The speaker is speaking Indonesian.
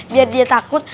biar dia takut